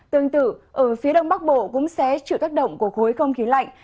tương tự ở phía đông bắc bộ cũng sẽ chịu tác động của khối không khí lạnh